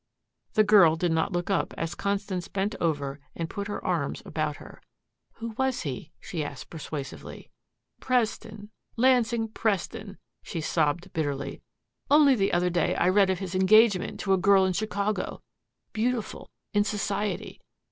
The girl did not look up as Constance bent over and put her arms about her. "Who was he?" she asked persuasively. "Preston Lansing Preston," she sobbed bitterly. "Only the other day I read of his engagement to a girl in Chicago beautiful, in society.